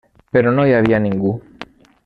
Però no hi havia ningú.